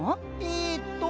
えっと。